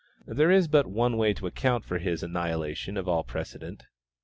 There is but one way to account for his annihilation of all precedent.